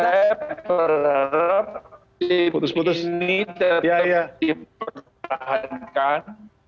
saya berharap putus putus ini terbiaya dipertahankan